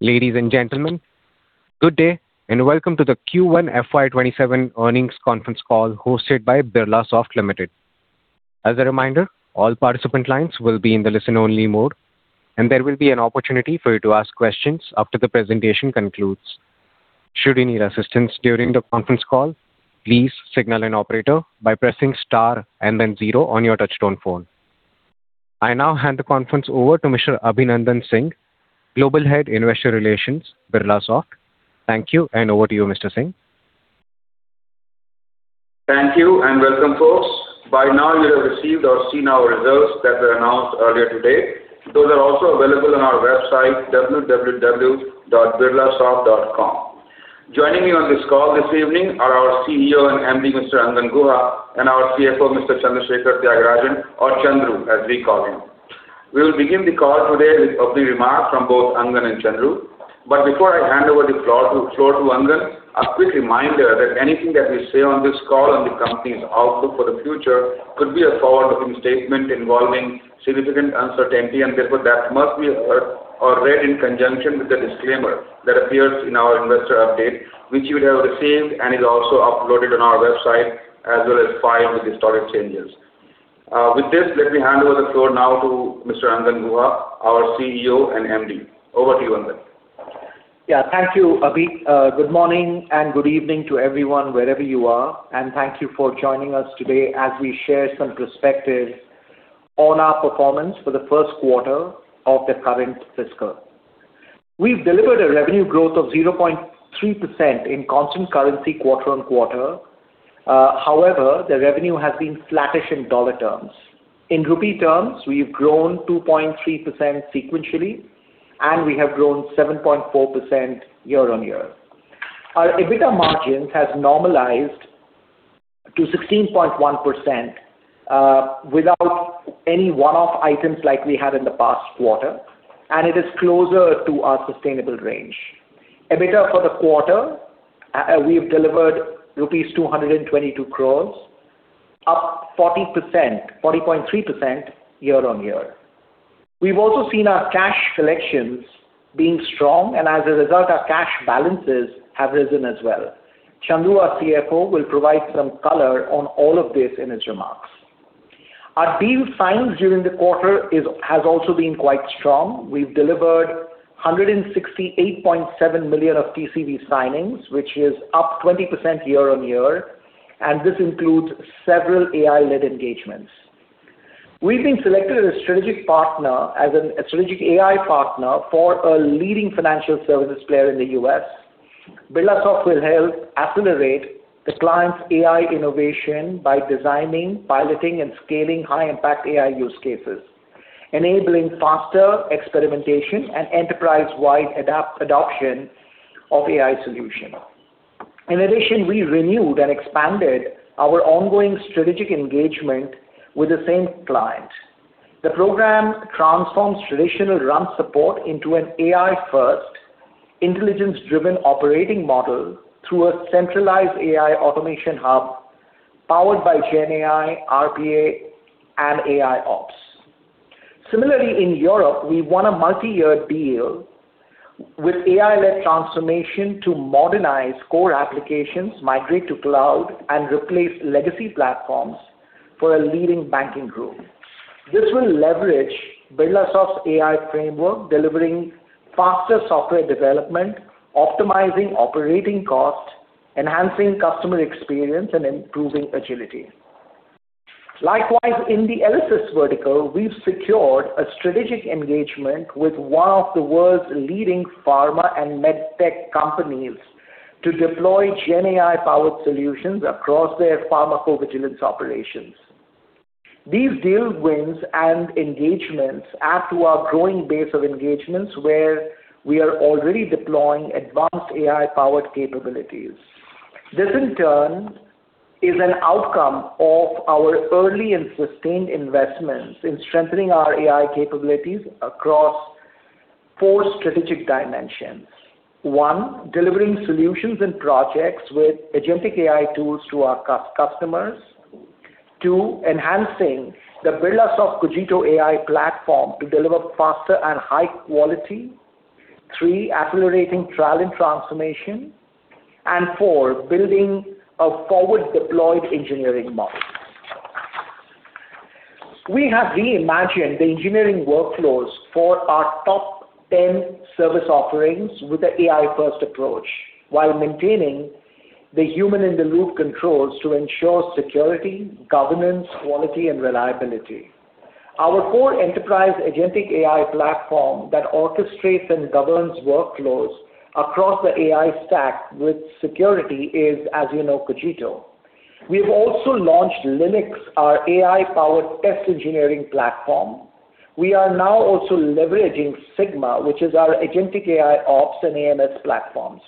Ladies and gentlemen, good day. Welcome to the Q1 FY 2027 earnings conference call hosted by Birlasoft Limited. As a reminder, all participant lines will be in the listen-only mode, and there will be an opportunity for you to ask questions after the presentation concludes. Should you need assistance during the conference call, please signal an operator by pressing star and then zero on your touch-tone phone. I now hand the conference over to Mr. Abhinandan Singh, Global Head, Investor Relations, Birlasoft. Thank you. Over to you, Mr. Singh. Thank you. Welcome, folks. By now, you have received or seen our results that were announced earlier today. Those are also available on our website, www.birlasoft.com. Joining me on this call this evening are our CEO and MD, Mr. Angan Guha, and our CFO, Mr. Chandrasekar Thyagarajan, or Chandru, as we call him. We will begin the call today with opening remarks from both Angan and Chandru. Before I hand over the floor to Angan, a quick reminder that anything that we say on this call on the company's outlook for the future could be a forward-looking statement involving significant uncertainty, and therefore, that must be heard or read in conjunction with the disclaimer that appears in our investor update, which you would have received and is also uploaded on our website as well as filed with the stock exchanges. With this, let me hand over the floor now to Mr. Angan Guha, our CEO and MD. Over to you, Angan. Thank you, Abhi. Good morning and good evening to everyone, wherever you are. Thank you for joining us today as we share some perspective on our performance for the first quarter of the current fiscal. We've delivered a revenue growth of 0.3% in constant currency quarter-on-quarter. However, the revenue has been flattish in dollar terms. In rupee terms, we've grown 2.3% sequentially. We have grown 7.4% year-on-year. Our EBITDA margin has normalized to 16.1% without any one-off items like we had in the past quarter, and it is closer to our sustainable range. EBITDA for the quarter, we've delivered rupees 222 crores, up 40.3% year-on-year. We've also seen our cash collections being strong, and as a result, our cash balances have risen as well. Chandru, our CFO, will provide some color on all of this in his remarks. Our deal signs during the quarter has also been quite strong. We've delivered $168.7 million of TCV signings, which is up 20% year-on-year, and this includes several AI-led engagements. We've been selected as a strategic AI partner for a leading financial services player in the U.S. Birlasoft will help accelerate the client's AI innovation by designing, piloting, and scaling high-impact AI use cases, enabling faster experimentation and enterprise-wide adoption of AI solutions. In addition, we renewed and expanded our ongoing strategic engagement with the same client. The program transforms traditional run support into an AI-first, intelligence-driven operating model through a centralized AI automation hub powered by GenAI, RPA, and AIOps. Similarly, in Europe, we won a multi-year deal with AI-led transformation to modernize core applications, migrate to cloud, and replace legacy platforms for a leading banking group. This will leverage Birlasoft's AI framework, delivering faster software development, optimizing operating costs, enhancing customer experience, and improving agility. Likewise, in the LSS vertical, we've secured a strategic engagement with one of the world's leading pharma and med tech companies to deploy GenAI-powered solutions across their pharmacovigilance operations. These deal wins and engagements add to our growing base of engagements where we are already deploying advanced AI-powered capabilities. This in turn is an outcome of our early and sustained investments in strengthening our AI capabilities across four strategic dimensions. One, delivering solutions and projects with agentic AI tools to our customers. Two, enhancing the Birlasoft Cogito AI platform to deliver faster and high quality. Three, accelerating trial and transformation. Four, building a forward-deployed engineering model. We have reimagined the engineering workflows for our top 10 service offerings with the AI-first approach while maintaining the human-in-the-loop controls to ensure security, governance, quality, and reliability. Our core enterprise agentic AI platform that orchestrates and governs workflows across the AI stack with security is, as you know, Cogito. We've also launched Lynx, our AI-powered test engineering platform. We are now also leveraging Sigma, which is our agentic AIOps and AMS platforms.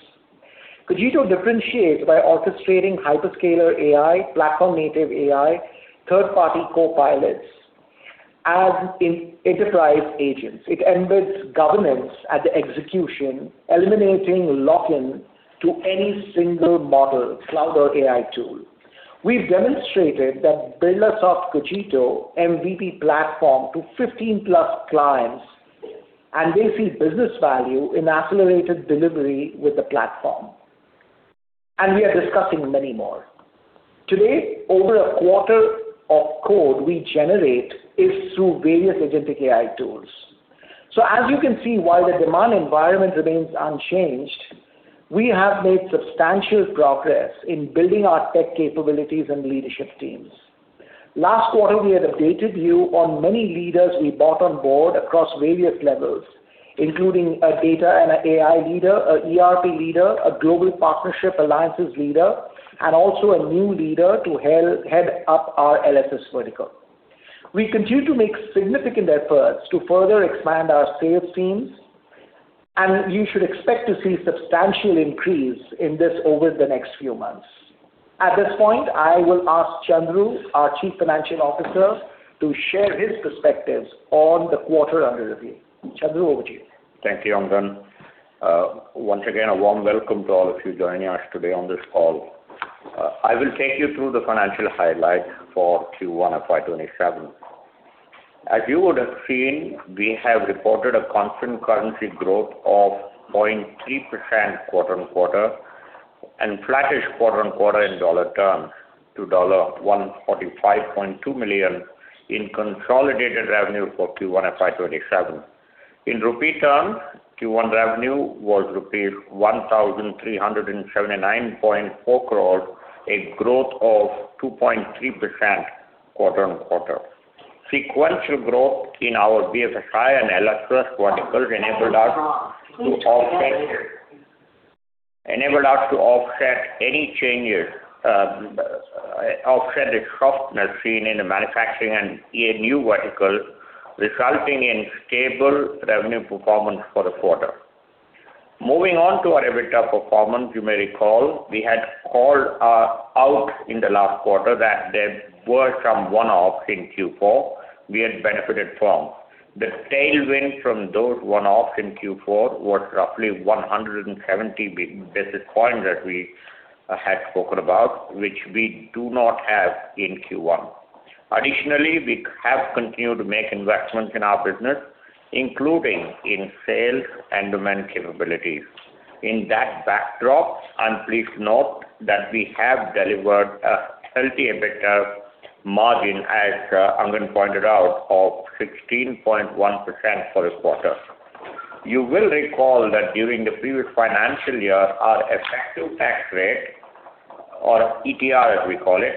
Cogito differentiates by orchestrating hyperscaler AI, platform-native AI, third-party copilots as enterprise agents. It embeds governance at the execution, eliminating lock-in to any single model, cloud, or AI tool. We've demonstrated the Birlasoft Cogito MVP platform to 15-plus clients, and they see business value in accelerated delivery with the platform. We are discussing many more. Today, over a quarter of code we generate is through various agentic AI tools. As you can see, while the demand environment remains unchanged, we have made substantial progress in building our tech capabilities and leadership teams. Last quarter, we had updated you on many leaders we brought on board across various levels, including a data and an AI leader, an ERP leader, a global partnership alliances leader, and also a new leader to head up our LSS vertical. We continue to make significant efforts to further expand our sales teams, and you should expect to see substantial increase in this over the next few months. At this point, I will ask Chandru, our Chief Financial Officer, to share his perspectives on the quarter under review. Chandru, over to you. Thank you, Angan. Once again, a warm welcome to all of you joining us today on this call. I will take you through the financial highlights for Q1 of FY 2027. As you would have seen, we have reported a constant currency growth of 0.3% quarter-on-quarter and flattish quarter-on-quarter in dollar terms to $145.2 million in consolidated revenue for Q1 FY 2027. In rupee terms, Q1 revenue was rupees 1,379.4 crore, a growth of 2.3% quarter-on-quarter. Sequential growth in our BFSI and LSS verticals enabled us to offset any changes, offset the softness seen in the manufacturing and E&U verticals, resulting in stable revenue performance for the quarter. Moving on to our EBITDA performance, you may recall we had called out in the last quarter that there were some one-offs in Q4 we had benefited from. The tailwind from those one-offs in Q4 was roughly 170 basis points that we had spoken about, which we do not have in Q1. Additionally, we have continued to make investments in our business, including in sales and demand capabilities. In that backdrop, please note that we have delivered a healthy EBITDA margin, as Angan pointed out, of 16.1% for this quarter. You will recall that during the previous financial year, our effective tax rate, or ETR as we call it,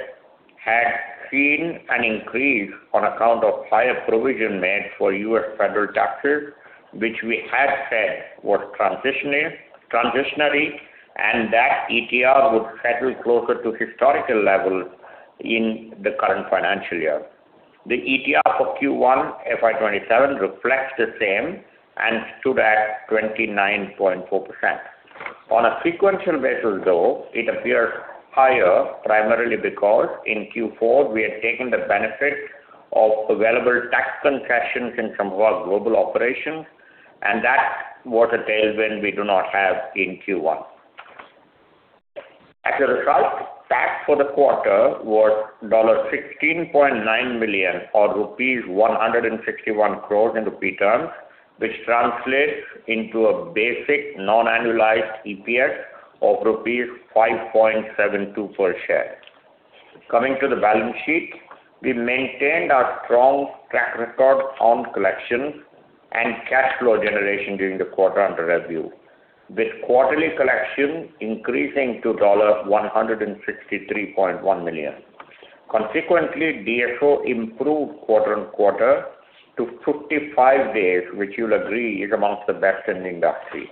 had seen an increase on account of higher provision made for U.S. federal taxes, which we had said was transitionary, and that ETR would settle closer to historical levels in the current financial year. The ETR for Q1 FY 2027 reflects the same and stood at 29.4%. On a sequential basis, though, it appears higher, primarily because in Q4 we had taken the benefit of available tax concessions in some of our global operations; that was a tailwind we do not have in Q1. As a result, tax for the quarter was $16.9 million, or rupees 161 crores in rupee terms, which translates into a basic non-annualized EPS of rupees 5.72 per share. Coming to the balance sheet, we maintained our strong track record on collections and cash flow generation during the quarter under review, with quarterly collection increasing to $163.1 million. Consequently, DSO improved quarter-on-quarter to 55 days, which you'll agree is amongst the best in the industry.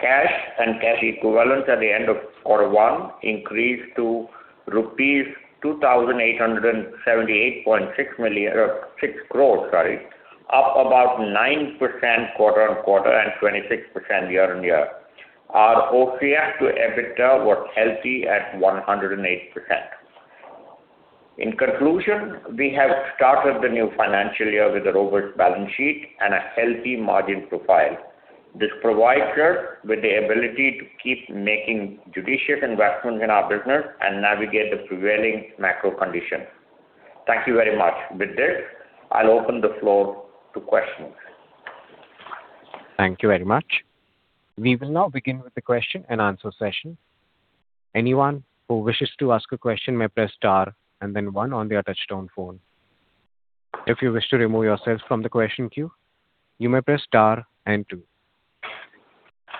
Cash and cash equivalents at the end of Q1 increased to rupees 2,878.6 crore, up about 9% quarter-on-quarter and 26% year-on-year. Our OCF to EBITDA was healthy at 108%. In conclusion, we have started the new financial year with a robust balance sheet and a healthy margin profile. This provides us with the ability to keep making judicious investments in our business and navigate the prevailing macro conditions. Thank you very much. With this, I'll open the floor to questions. Thank you very much. We will now begin with the question-and-answer session. Anyone who wishes to ask a question may press star and then one on their touch-tone phone. If you wish to remove yourself from the question queue, you may press star and two.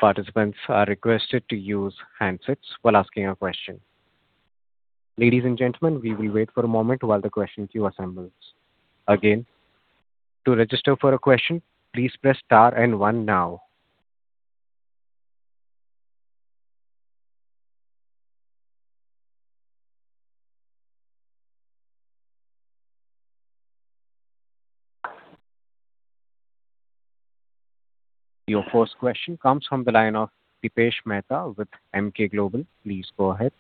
Participants are requested to use handsets while asking a question. Ladies and gentlemen, we will wait for a moment while the question queue assembles. Again, to register for a question, please press star and one now. Your first question comes from the line of Dipesh Mehta with Emkay Global. Please go ahead.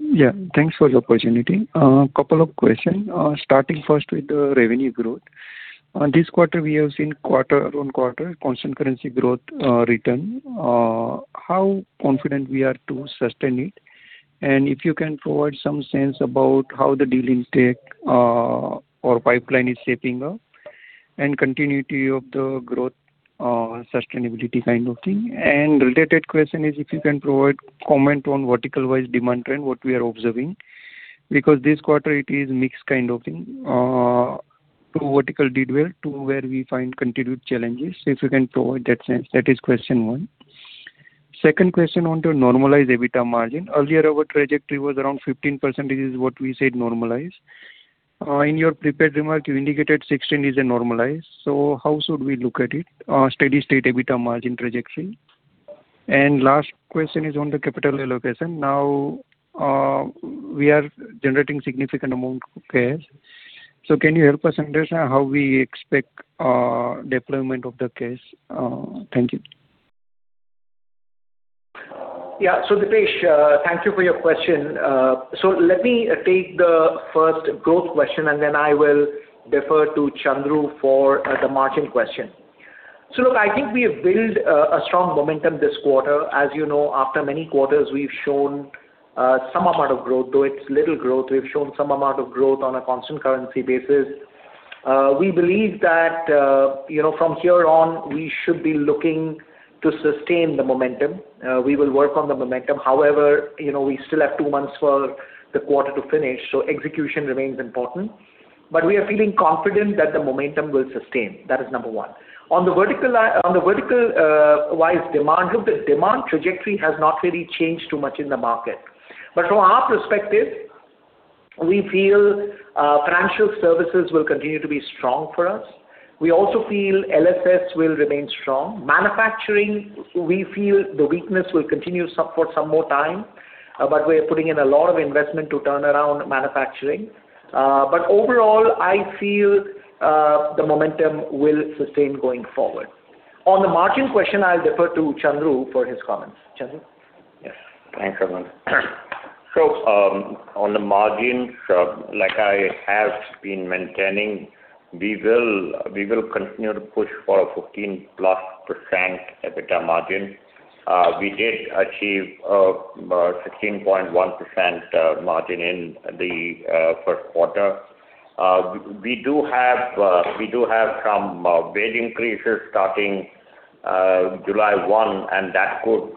Yeah. Thanks for the opportunity. A couple of questions, starting first with the revenue growth on this quarter, we have seen quarter-on-quarter constant currency growth return. How confident we are to sustain it? If you can provide some sense about how the dealings take or pipeline is shaping up and continuity of the growth sustainability kind of thing. Related question is if you can provide comment on vertical-wise demand trend, what we are observing. This quarter it is mixed kind of thing. Two vertical did well, two where we find continued challenges. If you can provide that sense. That is question one. Second question: on to normalized EBITDA margin. Earlier, our trajectory was around 15%, this is what we said normalized. In your prepared remarks, you indicated 16% is a normalized. How should we look at it? Our steady-state EBITDA margin trajectory. And last question is on the capital allocation. Now, we are generating significant amount of cash. Can you help us understand how we expect deployment of the cash? Thank you. Yeah. Dipesh, thank you for your question. Let me take the first growth question, and then I will defer to Chandru for the margin question. Look, I think we have built a strong momentum this quarter. As you know, after many quarters, we've shown some amount of growth, though it's little growth. We've shown some amount of growth on a constant currency basis. We believe that from here on, we should be looking to sustain the momentum. We will work on the momentum. However, we still have two months for the quarter to finish, so execution remains important. We are feeling confident that the momentum will sustain. That is number one. On the vertical-wise demand, look, the demand trajectory has not really changed too much in the market. From our perspective, we feel financial services will continue to be strong for us. We also feel LSS will remain strong. Manufacturing, we feel the weakness will continue for some more time. We are putting in a lot of investment to turn around manufacturing. Overall, I feel the momentum will sustain going forward. On the margin question, I will defer to Chandru for his comments. Chandru. Yes. Thanks, Angan. On the margins, like I have been maintaining, we will continue to push for a 15+% EBITDA margin. We did achieve a 16.1% margin in the first quarter. We do have some wage increases starting July 1, and that could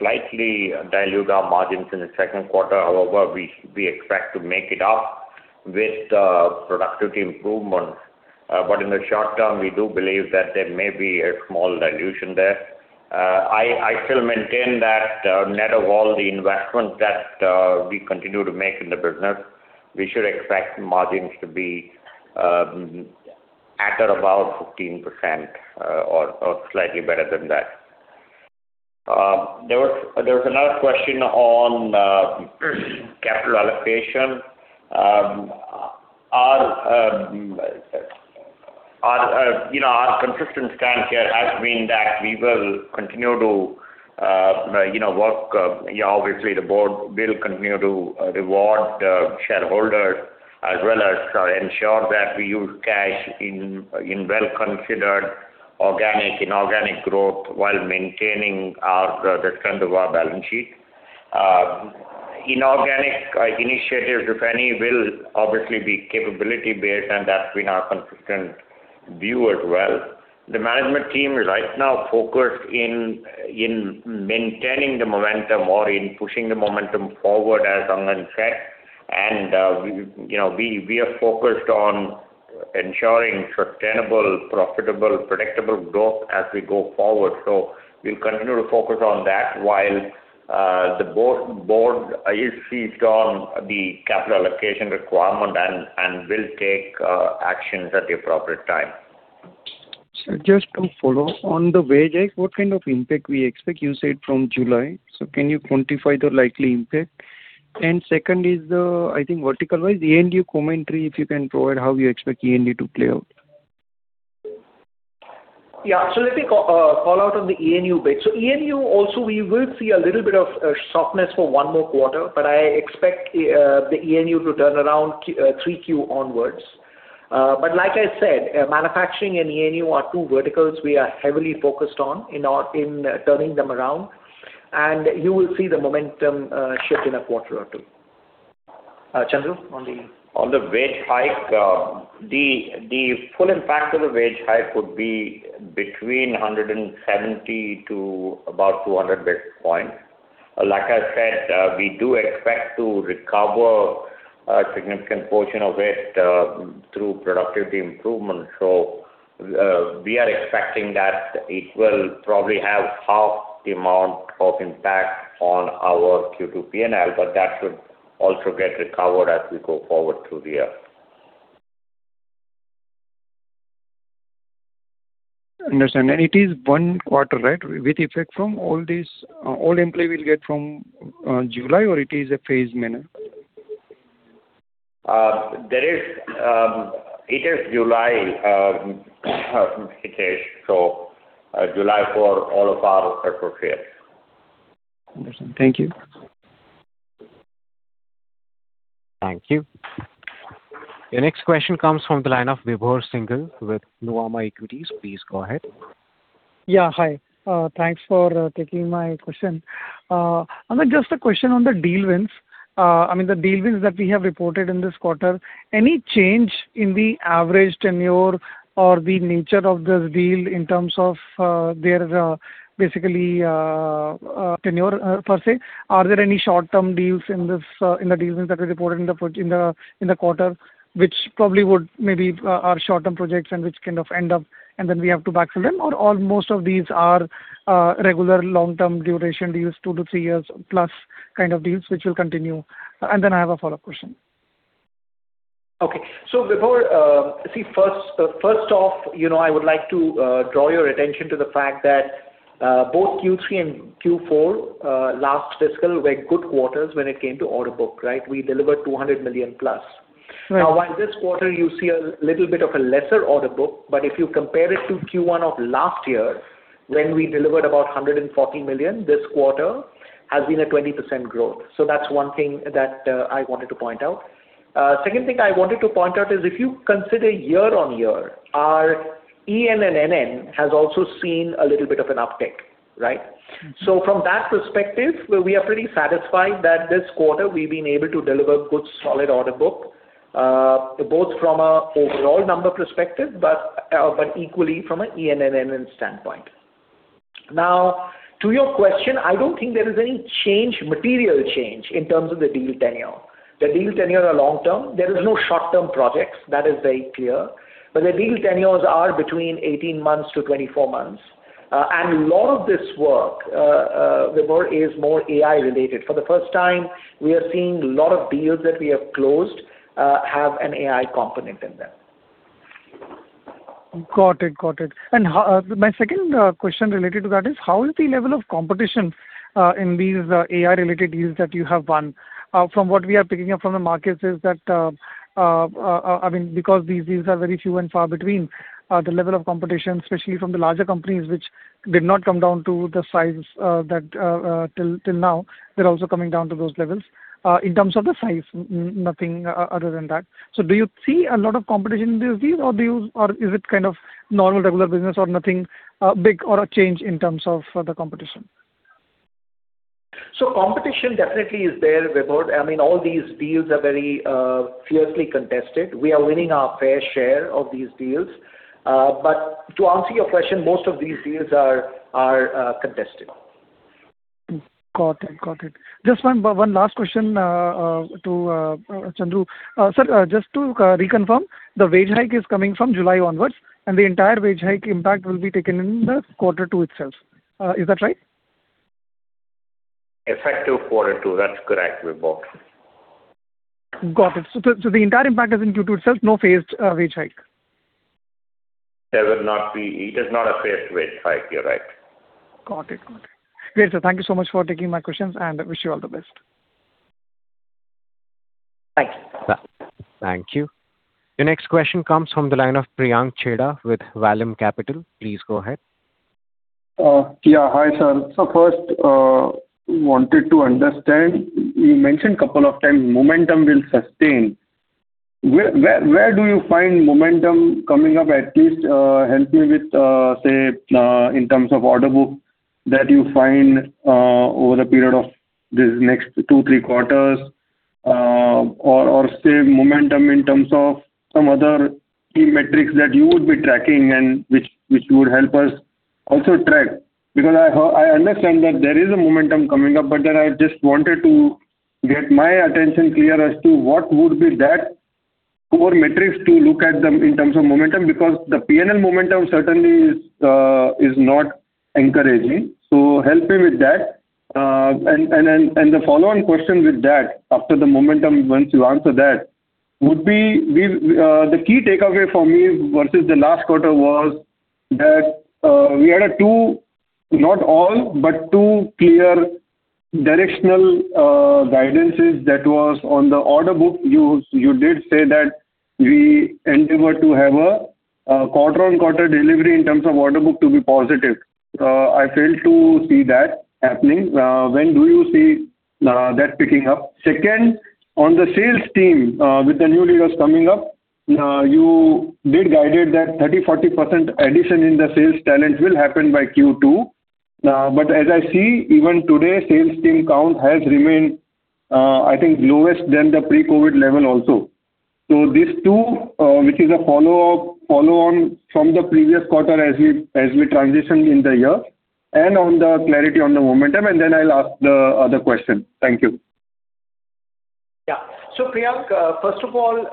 slightly dilute our margins in the second quarter. However, we expect to make it up with productivity improvements. In the short term, we do believe that there may be a small dilution there. I still maintain that net of all the investment that we continue to make in the business, we should expect margins to be at or above 15%, or slightly better than that. There was another question on capital allocation. Our consistent stance here has been that we will continue to work. Obviously, the board will continue to reward shareholders as well as ensure that we use cash in well-considered organic, inorganic growth while maintaining the strength of our balance sheet. Inorganic initiatives, if any, will obviously be capability-based, and that's been our consistent view as well. The management team right now focused in maintaining the momentum or in pushing the momentum forward, as Angan said. We are focused on ensuring sustainable, profitable, predictable growth as we go forward. We will continue to focus on that while the board is seized on the capital allocation requirement and will take actions at the appropriate time. Sir, just to follow. On the wage hike, what kind of impact we expect? You said from July. Can you quantify the likely impact? Second is the, I think, vertical-wise, E&U commentary, if you can provide how you expect E&U to play out. Yeah. Let me call out on the E&U bit. E&U also, we will see a little bit of softness for one more quarter; I expect the E&U to turn around 3Q onwards. Like I said, manufacturing and E&U are two verticals we are heavily focused on in turning them around. You will see the momentum shift in a quarter or two. Chandru, on the- On the wage hike, the full impact of the wage hike would be between 170 to about 200 basis points. Like I said, we do expect to recover a significant portion of it through productivity improvement. We are expecting that it will probably have half the amount of impact on our Q2 PNL; that should also get recovered as we go forward through the year. Understand. It is one quarter, right? With effect from all these, all employees will get from July, or it is a phased manner? It is July, Dipesh. July for all of our appropriate. Understand. Thank you. Thank you. The next question comes from the line of Vibhor Singhal with Nuvama Equities. Please go ahead. Yeah. Hi. Thanks for taking my question. Amit, just a question on the deal wins: The deal wins that we have reported in this quarter, any change in the average tenure or the nature of this deal in terms of their tenure per se? Are there any short-term deals in the dealings that were reported in the quarter, which probably would maybe are short-term projects and which kind of end up and then we have to backfill them? Or most of these are regular long-term duration deals, two to three years plus kind of deals, which will continue? Then I have a follow-up question. Okay. Vibhor, see, first off, I would like to draw your attention to the fact that both Q3 and Q4 last fiscal were good quarters when it came to order book. We delivered $200 million+. Right. While this quarter you see a little bit of a lesser order book, if you compare it to Q1 of last year, when we delivered about $140 million, this quarter has been a 20% growth. That's one thing that I wanted to point out. Second thing I wanted to point out is if you consider year-over-year, our ENNN has also seen a little bit of an uptick. Right? From that perspective, we are pretty satisfied that this quarter we've been able to deliver good solid order book, both from a overall number perspective, equally from an ENNN standpoint. To your question, I don't think there is any material change in terms of the deal tenure. The deal tenures are long-term. There is no short-term projects. That is very clear. The deal tenures are between 18 months-24 months. A lot of this work, Vibhor, is more AI-related. For the first time, we are seeing a lot of deals that we have closed have an AI component in them. Got it. My second question related to that is, how is the level of competition in these AI-related deals that you have won? From what we are picking up from the markets is that because these deals are very few and far between, the level of competition, especially from the larger companies which did not come down to the size till now, they're also coming down to those levels. In terms of the size, nothing other than that. Do you see a lot of competition in these deals, or is it kind of normal regular business or nothing big or a change in terms of the competition? Competition definitely is there, Vibhor. All these deals are very fiercely contested. We are winning our fair share of these deals. To answer your question, most of these deals are contested. Got it. Just one last question to Chandru. Sir, just to reconfirm, the wage hike is coming from July onwards, and the entire wage hike impact will be taken in the quarter two itself. Is that right? Effective quarter two. That's correct, Vibhor. The entire impact is in Q2 itself, no phased wage hike. It is not a phased wage hike. You're right. Got it. Great, sir. Thank you so much for taking my questions, and I wish you all the best. Thank you. Thank you. The next question comes from the line of Priyank Chheda with Vallum Capital. Please go ahead. Yeah. Hi, sir. First, wanted to understand; you mentioned couple of times momentum will sustain. Where do you find momentum coming up, at least help me with, say, in terms of order book that you find over the period of these next two, three quarters or, say, momentum in terms of some other key metrics that you would be tracking and which you would help us also track. I understand that there is a momentum coming up, but then I just wanted to get my attention clear as to what would be that core metrics to look at them in terms of momentum, because the PNL momentum certainly is not encouraging. Help me with that. The following question with that, after the momentum, once you answer that, would be the key takeaway for me versus the last quarter was that we had not all, but two clear directional guidances that was on the order book. You did say that we endeavor to have a quarter-on-quarter delivery in terms of order book to be positive. I failed to see that happening. When do you see that picking up? Second, on the sales team, with the new leaders coming up, you did guided that 30%-40% addition in the sales talent will happen by Q2. As I see, even today, sales team count has remained, I think, lowest than the pre-COVID level also. These two, which is a follow-on from the previous quarter as we transitioned in the year, and on the clarity on the momentum, then I'll ask the other question. Thank you. Priyank, first of all,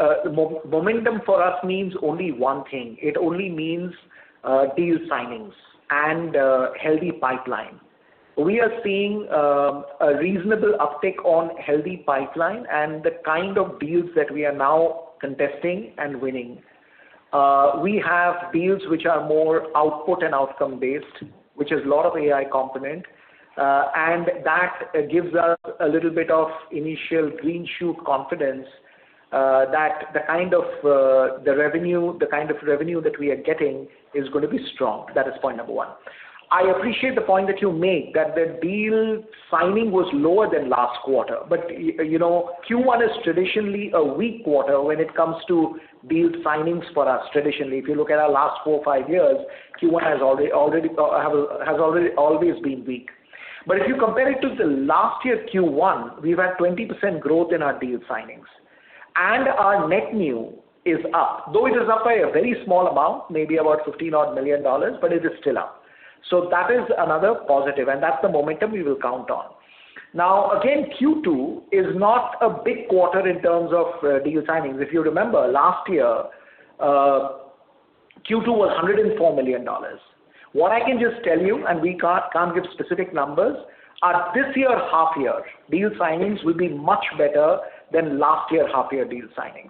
momentum for us means only one thing. It only means deal signings and a healthy pipeline. We are seeing a reasonable uptick on healthy pipeline and the kind of deals that we are now contesting and winning. We have deals which are more output- and outcome-based, which has lot of AI components, and that gives us a little bit of initial green shoot confidence that the kind of revenue that we are getting is going to be strong. That is point number one. I appreciate the point that you make that the deal signing was lower than last quarter. Q1 is traditionally a weak quarter when it comes to deal signings for us. Traditionally, if you look at our last four or five years, Q1 has always been weak. If you compare it to the last year's Q1, we've had 20% growth in our deal signings. Our net new is up, though it is up by a very small amount, maybe about $15 odd million, but it is still up. That is another positive, and that's the momentum we will count on. Again, Q2 is not a big quarter in terms of deal signings. If you remember, last year, Q2 was $104 million. What I can just tell you, and we can't give specific numbers, are this year's half-year deal signings will be much better than last year's half-year deal signings.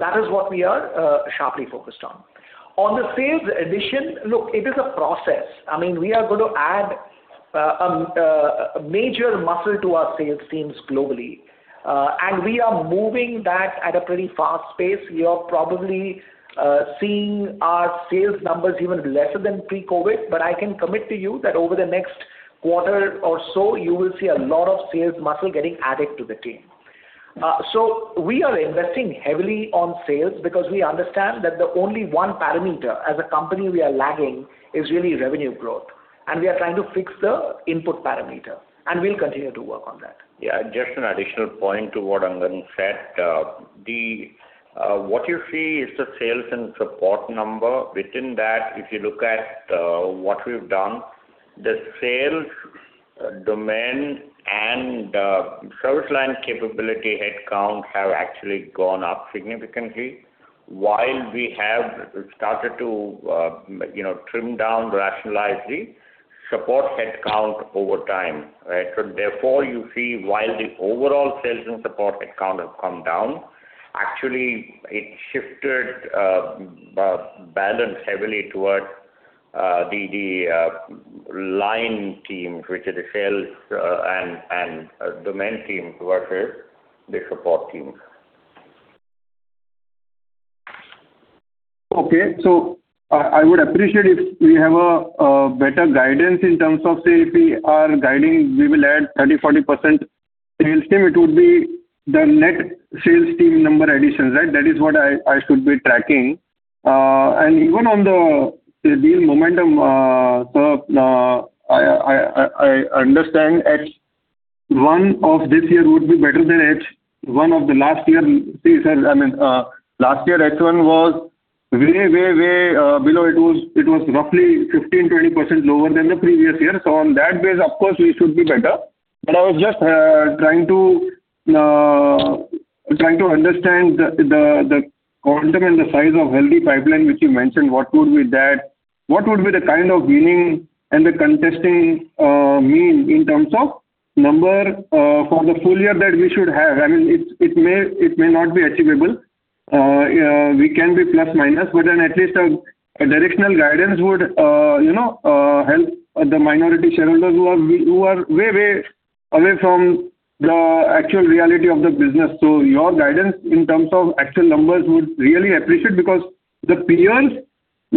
That is what we are sharply focused on. On the sales addition, look; it is a process. We are going to add major muscle to our sales teams globally. We are moving that at a pretty fast pace. You are probably seeing our sales numbers even lesser than pre-COVID, but I can commit to you that over the next quarter or so, you will see a lot of sales muscle getting added to the team. We are investing heavily on sales because we understand that the only one parameter as a company we are lagging is really revenue growth. We are trying to fix the input parameter. We'll continue to work on that. Just an additional point to what Angan said. What you see is the sales and support number. Within that, if you look at what we've done, the sales domain and service line capability headcount have actually gone up significantly, while we have started to trim down, rationalize the support headcount over time. Right? Therefore, you see while the overall sales and support headcount have come down, actually, it shifted balance heavily towards the line teams, which are the sales and domain teams versus the support teams. I would appreciate if we have a better guidance in terms of, say, if we are guiding, we will add 30%-40% sales team; it would be the net sales team number additions, right? That is what I should be tracking. Even on the deal momentum, sir, I understand H1 of this year would be better than H1 of the last year. Last year, H1 was way below. It was roughly 15%-20% lower than the previous year. On that base, of course, we should be better. I was just trying to understand the quantum and the size of healthy pipeline, which you mentioned. What would be that? What would be the kind of winning and the contesting mean in terms of number for the full year that we should have? It may not be achievable. We can be plus, minus; at least a directional guidance would help the minority shareholders who are way away from the actual reality of the business. Your guidance in terms of actual numbers would be really appreciated because the peers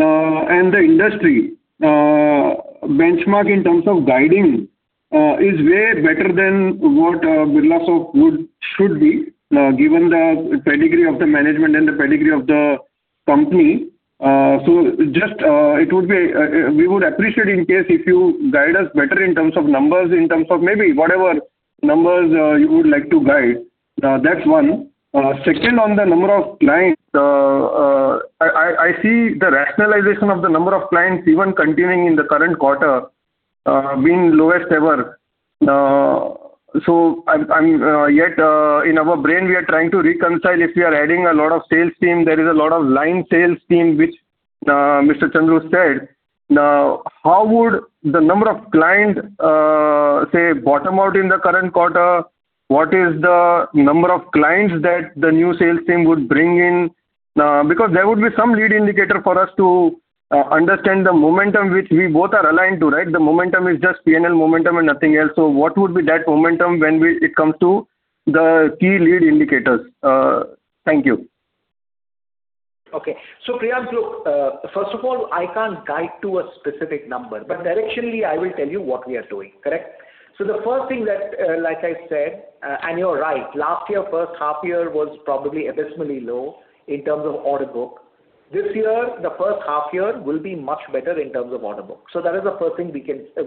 and the industry benchmark in terms of guiding is way better than what Birlasoft should be, given the pedigree of the management and the pedigree of the company. We would appreciate in case if you guide us better in terms of numbers, in terms of maybe whatever numbers you would like to guide. That's one. Second on the number of clients, I see the rationalization of the number of clients even continuing in the current quarter being lowest ever. In our brain, we are trying to reconcile if we are adding a lot of sales teams; there is a lot of line sales teams, which Mr. Chandru said. How would the number of clients, say, bottom out in the current quarter? What is the number of clients that the new sales team would bring in? Because there would be some lead indicator for us to understand the momentum which we both are aligned to, right? The momentum is just P&L momentum and nothing else. What would be that momentum when it comes to the key lead indicators? Thank you. Okay. Priyank, look, first of all, I can't guide to a specific number, but directionally, I will tell you what we are doing. Correct? The first thing that, like I said, and you're right, last year's first half-year was probably abysmally low in terms of order book. This year, the first half-year will be much better in terms of order book. That is the first thing we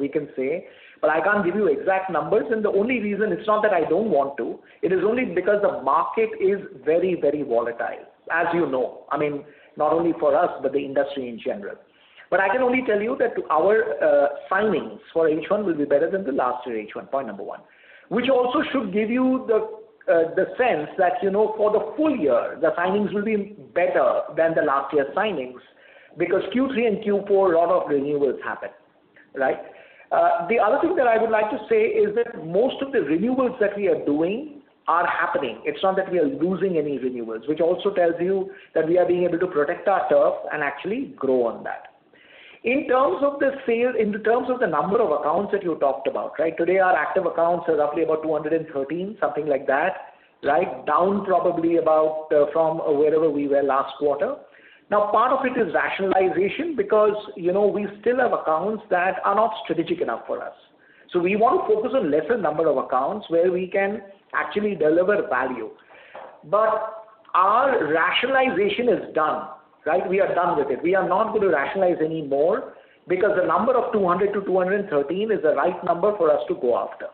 can say. I can't give you exact numbers, and the only reason is not that I don't want to, it is only because the market is very volatile. As you know. Not only for us, but the industry in general. I can only tell you that our signings for H1 will be better than the last year's H1, point number one. Which also should give you the sense that for the full year, the signings will be better than the last year's signings because Q3 and Q4, a lot of renewals happen. Right? The other thing that I would like to say is that most of the renewals that we are doing are happening. It's not that we are losing any renewals, which also tells you that we are being able to protect our turf and actually grow on that. In terms of the number of accounts that you talked about. Today our active accounts are roughly about 213, something like that. Right? Down probably about from wherever we were last quarter. Part of it is rationalization because we still have accounts that are not strategic enough for us. We want to focus on lesser number of accounts where we can actually deliver value. Our rationalization is done. We are done with it. We are not going to rationalize any more because the number of 200 to 213 is the right number for us to go after.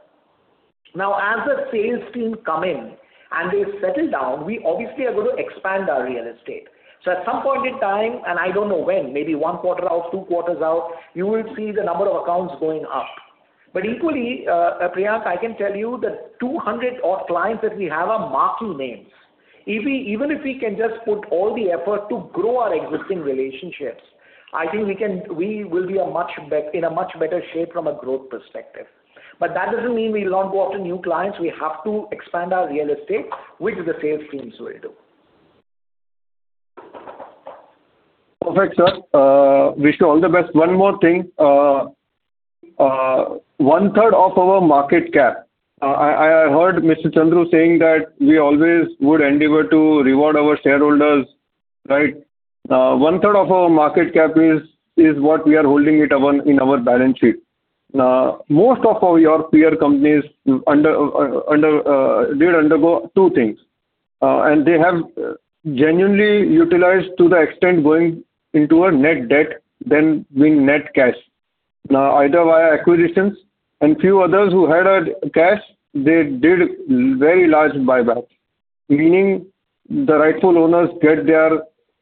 As the sales team come in and they settle down, we obviously are going to expand our real estate. At some point in time, and I don't know when, maybe one quarter out, two quarters out, you will see the number of accounts going up. Equally, Priyank, I can tell you that 200 odd clients that we have are marquee names. Even if we can just put all the effort to grow our existing relationships, I think we will be in a much better shape from a growth perspective. That doesn't mean we'll not go after new clients. We have to expand our real estate, which the sales teams will do. Perfect, sir. Wish you all the best. One more thing. One third of our market cap. I heard Mr. Chandru saying that we always would endeavor to reward our shareholders. One third of our market cap is what we are holding it upon in our balance sheet. Most of your peer companies did undergo two things, and they have genuinely utilized to the extent going into a net debt, then being net cash. Either via acquisitions and few others who had cash, they did very large buyback. Meaning the rightful owners get their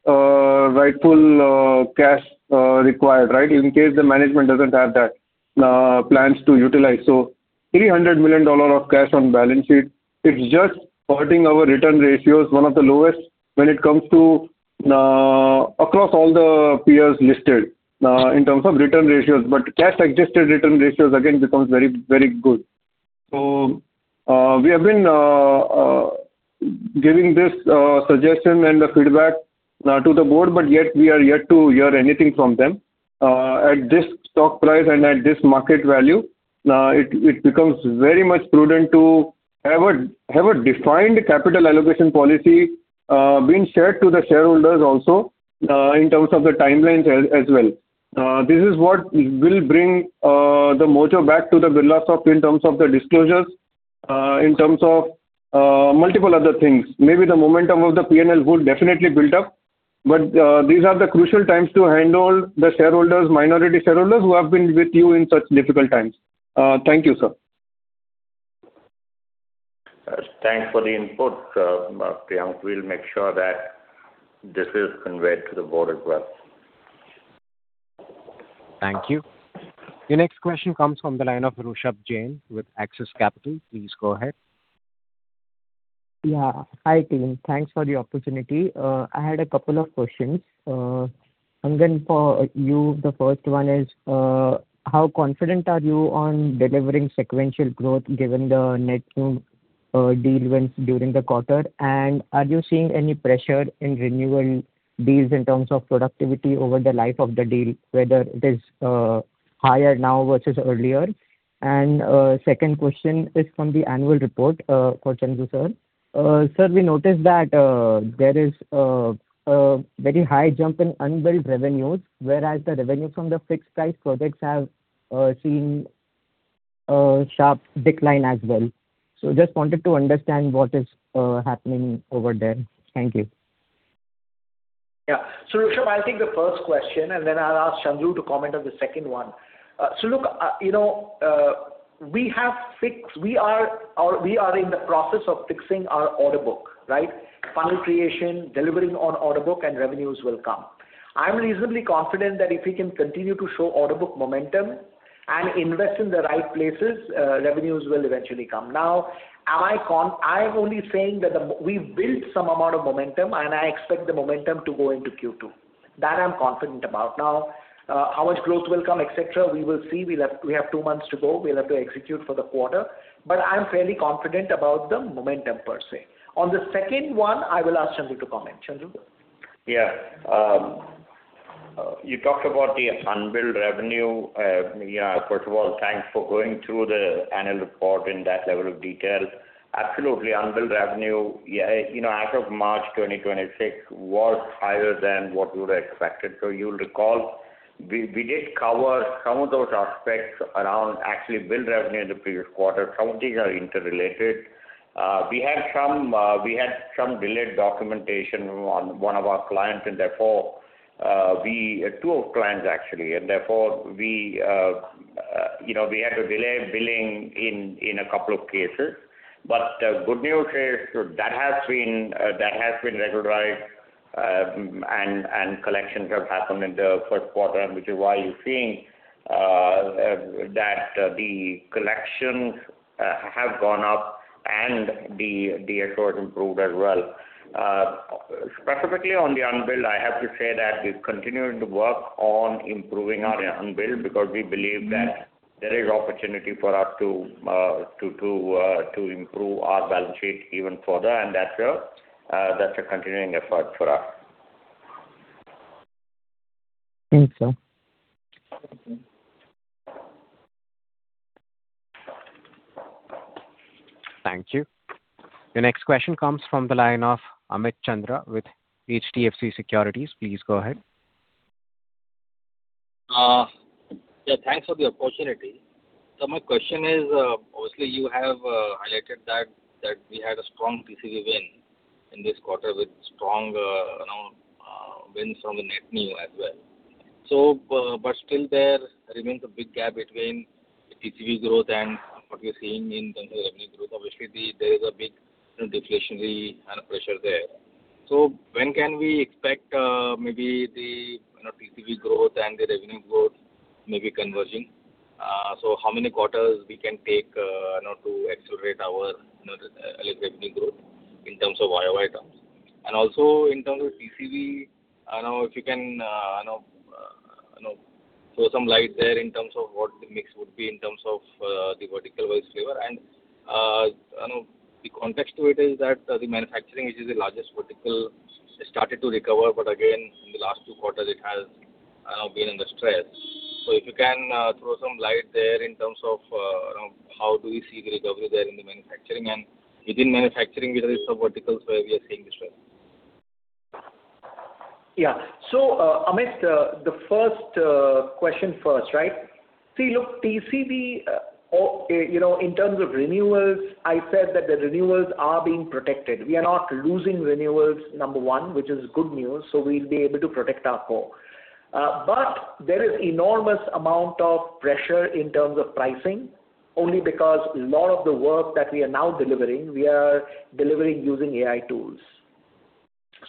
rightful cash required in case the management doesn't have plans to utilize. So $300 million of cash on balance sheet, it is just hurting our return ratios, one of the lowest when it comes to across all the peers listed in terms of return ratios. But cash-adjusted return ratios again becomes very good. We have been giving this suggestion and the feedback to the board, yet we are yet to hear anything from them. At this stock price and at this market value, it becomes very much prudent to have a defined capital allocation policy being shared to the shareholders also, in terms of the timelines as well. This is what will bring the mojo back to Birlasoft in terms of the disclosures, in terms of multiple other things. Maybe the momentum of the P&L would definitely build up. These are the crucial times to handle the shareholders, minority shareholders who have been with you in such difficult times. Thank you, sir. Thanks for the input, Priyank. We'll make sure that this is conveyed to the board as well. Thank you. Your next question comes from the line of Rushabh Jain with Axis Capital. Please go ahead. Yeah. Hi, team. Thanks for the opportunity. I had a couple of questions. Angan, for you, the first one is, how confident are you on delivering sequential growth given the net new deal wins during the quarter? Are you seeing any pressure in renewal deals in terms of productivity over the life of the deal, whether it is higher now versus earlier? Second question is from the annual report for Chandru, sir. Sir, we noticed that there is a very high jump in unbilled revenues, whereas the revenue from the fixed-price projects have seen a sharp decline as well. Just wanted to understand what is happening over there. Thank you. Yeah. Rushabh, I'll take the first question, and then I'll ask Chandru to comment on the second one. Look, we are in the process of fixing our order book. Funnel creation, delivering on order book, and revenues will come. I'm reasonably confident that if we can continue to show order book momentum and invest in the right places, revenues will eventually come. I'm only saying that we've built some amount of momentum, and I expect the momentum to go into Q2. That I'm confident about. How much growth will come, et cetera, we will see. We have two months to go. We'll have to execute for the quarter. I'm fairly confident about the momentum per se. On the second one, I will ask Chandru to comment. Chandru? Yeah. You talked about the unbilled revenue. First of all, thanks for going through the annual report in that level of detail. Absolutely. Unbilled revenue, as of March 2026, was higher than what we would have expected. You'll recall we did cover some of those aspects around actually billed revenue in the previous quarter. Some of these are interrelated. We had some delayed documentation on one of our clients. Two clients, actually. Therefore, we had to delay billing in a couple of cases. The good news is that has been regularized, and collections have happened in the first quarter, which is why you're seeing that the collections have gone up and the ARCOs improved as well. Specifically on the unbilled, I have to say that we're continuing to work on improving our unbilled because we believe that there is opportunity for us to improve our balance sheet even further, and that's a continuing effort for us. Thanks, sir. Thank you. The next question comes from the line of Amit Chandra with HDFC Securities. Please go ahead. Thanks for the opportunity. My question is, obviously you have highlighted that we had a strong TCV win in this quarter with strong wins from the net new as well. Still there remains a big gap between TCV growth and what we are seeing in terms of revenue growth. Obviously, there is a big deflationary kind of pressure there. When can we expect maybe the TCV growth and the revenue growth maybe converging? How many quarters we can take to accelerate our revenue growth in terms of YOY terms? Also in terms of TCV, if you can throw some light there in terms of what the mix would be in terms of the vertical-wise flavor. The context to it is that the manufacturing, which is the largest vertical, it started to recover. Again, in the last two quarters, it has been under stress. If you can throw some light there in terms of how do we see the recovery there in the manufacturing and within manufacturing, which are the sub-verticals where we are seeing the stress? Amit, the first question first, right? See, look, TCV, in terms of renewals, I said that the renewals are being protected. We are not losing renewals, number one, which is good news, so we will be able to protect our core. There is enormous amount of pressure in terms of pricing, only because lot of the work that we are now delivering, we are delivering using AI tools.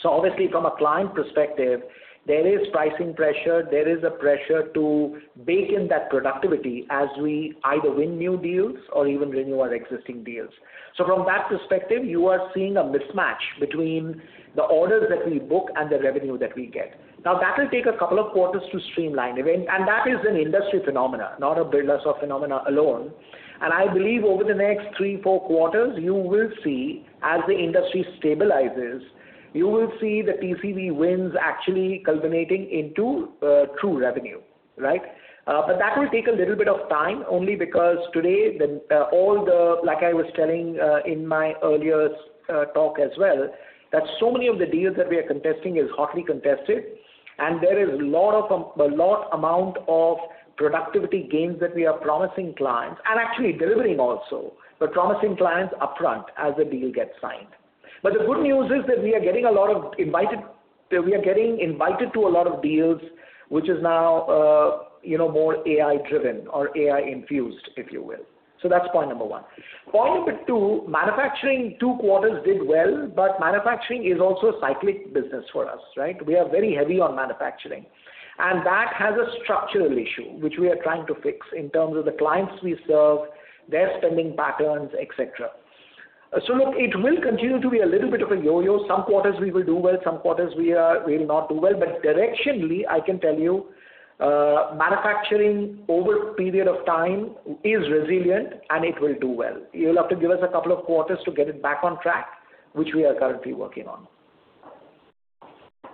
Obviously from a client perspective, there is pricing pressure. There is a pressure to bake in that productivity as we either win new deals or even renew our existing deals. From that perspective, you are seeing a mismatch between the orders that we book and the revenue that we get. Now, that will take a couple of quarters to streamline. That is an industry phenomena, not a Birlasoft phenomena alone. I believe over the next three, four quarters, you will see, as the industry stabilizes, you will see the TCV wins actually culminating into true revenue. Right? That will take a little bit of time only because today, like I was telling in my earlier talk as well, that so many of the deals that we are contesting is hotly contested, and there is a lot amount of productivity gains that we are promising clients and actually delivering also, but promising clients upfront as the deal gets signed. The good news is that we are getting invited to a lot of deals, which is now more AI-driven or AI-infused, if you will. That is point number one. Point number two, manufacturing two quarters did well; manufacturing is also a cyclic business for us. Right? We are very heavy on manufacturing. That has a structural issue, which we are trying to fix in terms of the clients we serve, their spending patterns, et cetera. Look, it will continue to be a little bit of a yo-yo. Some quarters we will do well; some quarters we will not do well. Directionally, I can tell you, manufacturing over a period of time is resilient, and it will do well. You will have to give us a couple of quarters to get it back on track, which we are currently working on.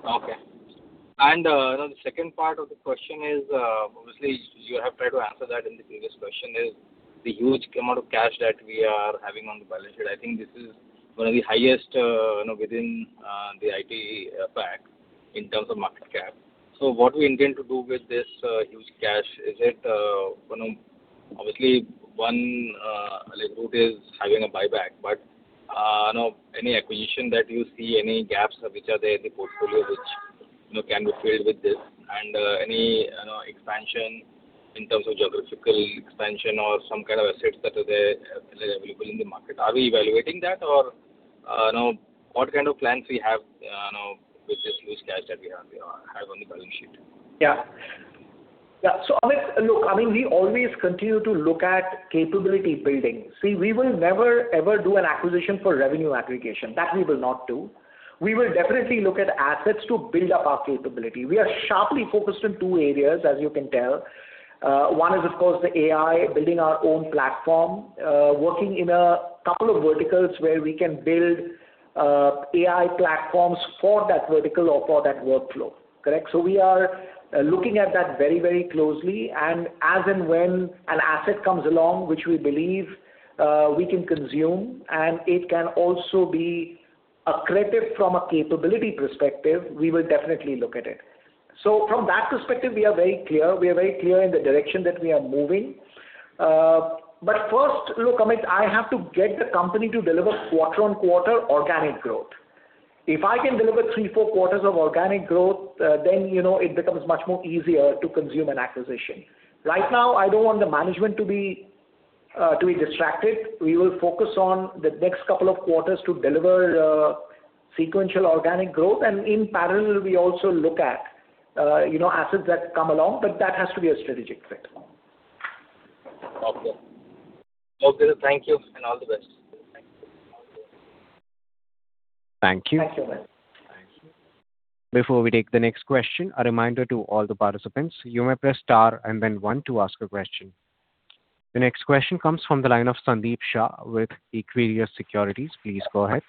Okay. The second part of the question is, obviously you have tried to answer that in the previous question, is the huge amount of cash that we are having on the balance sheet. I think this is one of the highest within the IT pack in terms of market cap. What we intend to do with this huge cash? Obviously, one route is having a buyback. Any acquisition that you see, any gaps which are there in the portfolio which can be filled with this? Any expansion in terms of geographical expansion or some kind of assets that are available in the market, are we evaluating that? What kind of plans we have with this huge cash that we have on the balance sheet? Yeah. Amit, look, we always continue to look at capability building. See, we will never, ever do an acquisition for revenue aggregation. That we will not do. We will definitely look at assets to build up our capability. We are sharply focused on two areas, as you can tell. One is, of course, the AI, building our own platform, working in a couple of verticals where we can build AI platforms for that vertical or for that workflow. Correct? We are looking at that very closely. As and when an asset comes along, which we believe we can consume, and it can also be accretive from a capability perspective, we will definitely look at it. From that perspective, we are very clear. We are very clear in the direction that we are moving. First, look, Amit, I have to get the company to deliver quarter-on-quarter organic growth. If I can deliver three, four quarters of organic growth, then it becomes much more easier to consume an acquisition. Right now, I don't want the management to be distracted. We will focus on the next couple of quarters to deliver sequential organic growth. In parallel, we also look at assets that come along, but that has to be a strategic fit. Okay. Thank you, and all the best. Thank you. Thank you. Before we take the next question, a reminder to all the participants: you may press star and then one to ask a question. The next question comes from the line of Sandeep Shah with Equirus Securities. Please go ahead.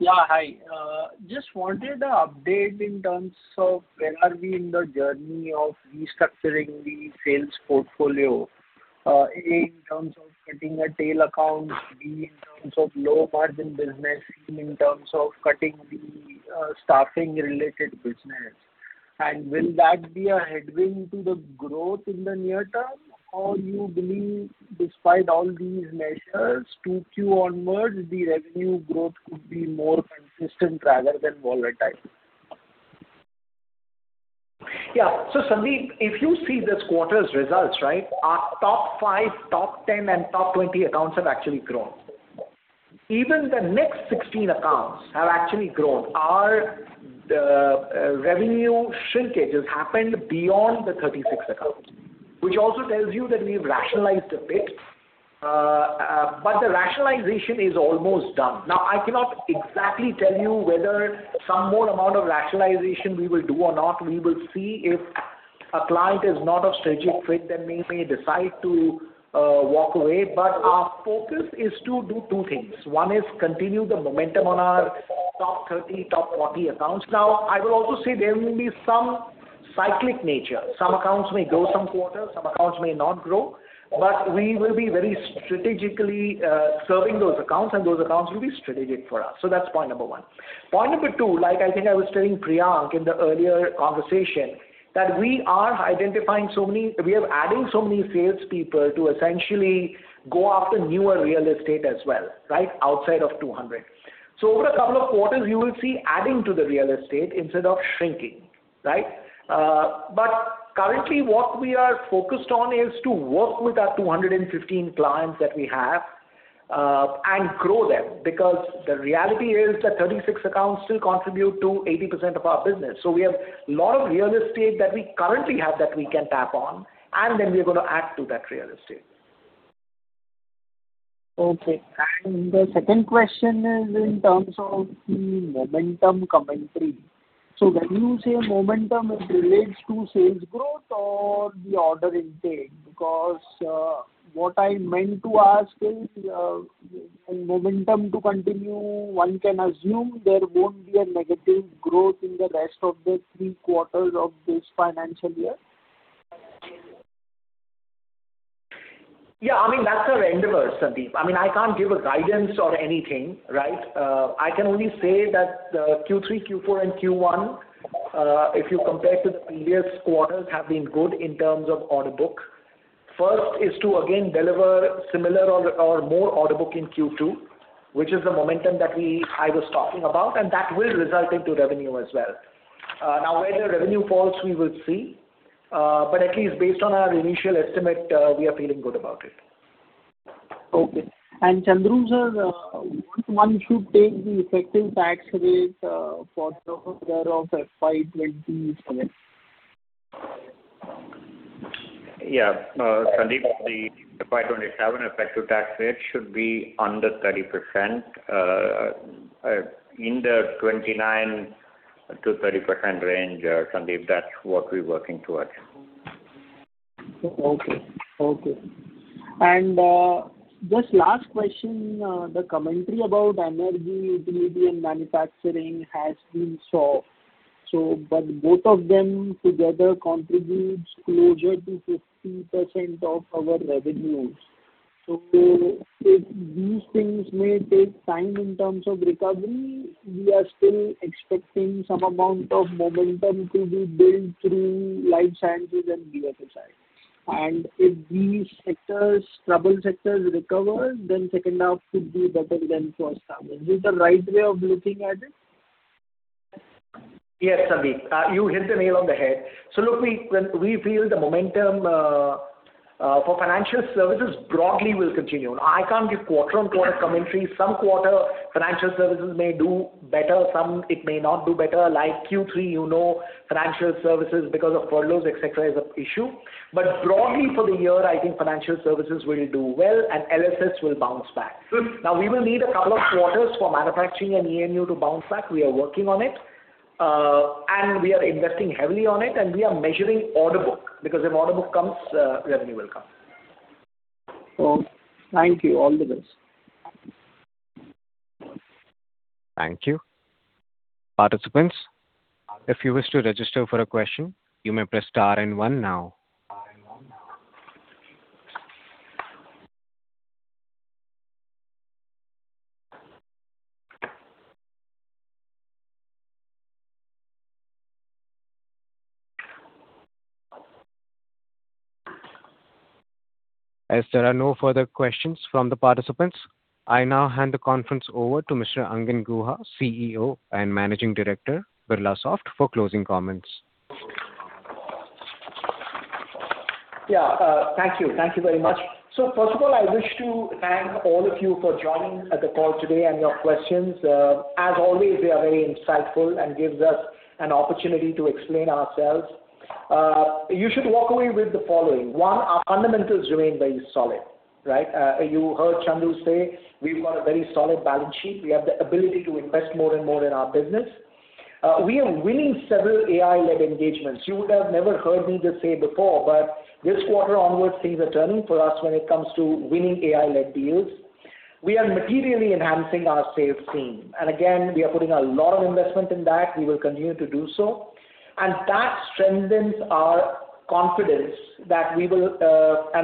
Yeah, hi. Just wanted an update in terms of where are we in the journey of restructuring the sales portfolio. A, in terms of cutting the tail accounts; B, in terms of low-margin business; in terms of cutting the staffing-related business. Will that be a headwind to the growth in the near term, or you believe, despite all these measures, 2Q onwards, the revenue growth could be more consistent rather than volatile? Yeah. Sandeep, if you see this quarter's results, our top five, top 10, and top 20 accounts have actually grown. Even the next 16 accounts have actually grown. Our revenue shrinkages happened beyond the 36 accounts, which also tells you that we've rationalized a bit. The rationalization is almost done. I cannot exactly tell you whether some more amount of rationalization we will do or not. We will see if a client is not a strategic fit, then we may decide to walk away. Our focus is to do two things. One is continue the momentum on our top 30, top 40 accounts. I will also say there will be some cyclic nature. Some accounts may grow some quarters; some accounts may not grow. We will be very strategically serving those accounts, and those accounts will be strategic for us. That's point number one. Point number two, like I think I was telling Priyank in the earlier conversation, that we are adding so many salespeople to essentially go after newer real estate as well, outside of 200. Over a couple of quarters, you will see adding to the real estate instead of shrinking. Currently what we are focused on is to work with our 215 clients that we have and grow them, because the reality is that 36 accounts still contribute to 80% of our business. We have a lot of real estate that we currently have that we can tap on, and then we're going to add to that real estate. Okay. The second question is in terms of the momentum commentary. When you say "momentum," does it relate to sales growth or the order intake? Because what I meant to ask is, and momentum to continue, one can assume there won't be a negative growth in the rest of the three quarters of this financial year? Yeah. That's a render, Sandeep. I can't give a guidance or anything. I can only say that the Q3, Q4, and Q1, if you compare to the previous quarters, have been good in terms of order book. First is to again deliver similar or more order book in Q2, which is the momentum that I was talking about, and that will result into revenue as well. Where the revenue falls, we will see. At least based on our initial estimate, we are feeling good about it. Okay. Chandru sir, one should take the effective tax rate for the order of FY27. Yeah. Sandeep, the FY27 effective tax rate should be under 30%, in the 29%-30% range. Sandeep, that's what we're working towards. Just last question: the commentary about Energy, Utilities, and Manufacturing has been soft. Both of them together contributes closer to 50% of our revenues. If these things may take time in terms of recovery, we are still expecting some amount of momentum to be built through Life Sciences and BFSI. If these trouble sectors recover, second half could be better than first half. Is this the right way of looking at it? Yes, Sandeep. You hit the nail on the head. Look, we feel the momentum for Financial Services broadly will continue. I can't give quarter-over-quarter commentary. Some quarter Financial Services may do better, some it may not do better. Like Q3, you know, financial services, because of furloughs, et cetera, is an issue. Broadly for the year, I think Financial Services will do well and LSS will bounce back. We will need a couple of quarters for Manufacturing and E&U to bounce back. We are working on it. We are investing heavily on it, we are measuring order book because if order book comes, revenue will come. Thank you. All the best. Thank you. Participants, if you wish to register for a question, you may press star one now. As there are no further questions from the participants, I now hand the conference over to Mr. Angan Guha, CEO and Managing Director, Birlasoft, for closing comments. Yeah. Thank you very much. First of all, I wish to thank all of you for joining the call today and your questions. As always, they are very insightful and gives us an opportunity to explain ourselves. You should walk away with the following. One, our fundamentals remain very solid. You heard Chandru say we've got a very solid balance sheet. We have the ability to invest more and more in our business. We are winning several AI-led engagements. You would have never heard me just say this before, but this quarter onwards, things are turning for us when it comes to winning AI-led deals. We are materially enhancing our sales team. Again, we are putting a lot of investment in that. We will continue to do so. That strengthens our confidence and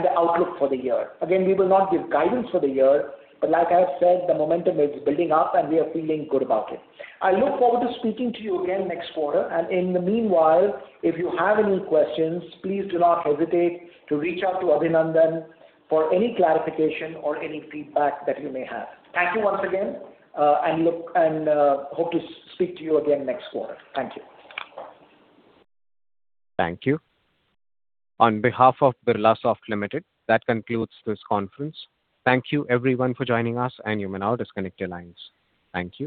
the outlook for the year. Again, we will not give guidance for the year, but like I said, the momentum is building up and we are feeling good about it. I look forward to speaking to you again next quarter. In the meanwhile, if you have any questions, please do not hesitate to reach out to Abhinandan for any clarification or any feedback that you may have. Thank you once again, hope to speak to you again next quarter. Thank you. Thank you. On behalf of Birlasoft Limited, that concludes this conference. Thank you, everyone, for joining us; you may now disconnect your lines. Thank you.